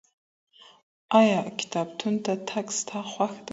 ايا کتابتون ته تګ ستا خوښ دی؟